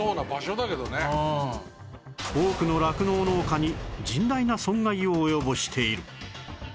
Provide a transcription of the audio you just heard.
多くの酪農農家に甚大な損害を及ぼしている